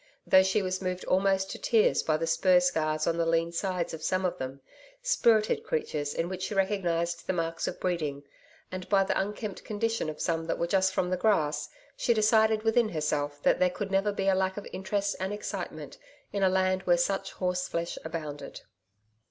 Though she was moved almost to tears by the spur scars on the lean sides of some of them spirited creatures in which she recognised the marks of breeding and by the unkempt condition of some that were just from grass, she decided within herself that there could never be a lack of interest and excitement in a land where such horseflesh abounded.